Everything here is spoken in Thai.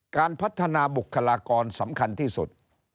การพัฒนาบุคลากรสำคัญที่สุด